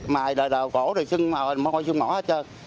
mà ai đòi đào cổ xưng màu xưng mỏ hết trơn